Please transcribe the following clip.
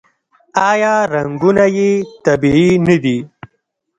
آیا رنګونه یې طبیعي نه دي؟